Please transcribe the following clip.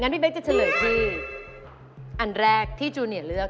พี่เบ๊กจะเฉลยที่อันแรกที่จูเนียเลือก